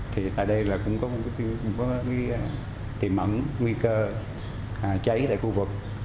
thì tại đây cũng có một cái tìm ẩn nguy cơ cháy tại khu vực